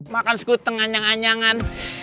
makan sekuteng anyang anyangan